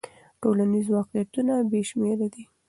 ټولنیز واقعیتونه بې شمېره دي.